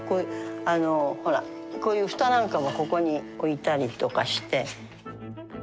あのほらこういう蓋なんかもここに置いたりとかして。